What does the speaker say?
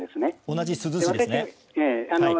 同じ珠洲市ですね。